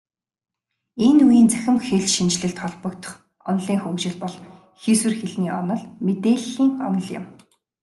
Энэ үеийн цахим хэлшинжлэлд холбогдох онолын хөгжил бол хийсвэр хэлний онол, мэдээллийн онол юм.